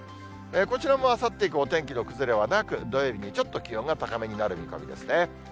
こちらもあさって以降、お天気の崩れはなく、土曜日にちょっと気温が高めになる見込みですね。